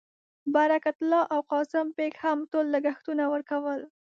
برکت الله او قاسم بېګ هم ټول لګښتونه ورکول.